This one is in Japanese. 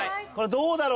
どうだろう？